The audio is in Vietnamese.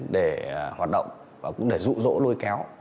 để hoạt động và cũng để rụ rỗ lôi kéo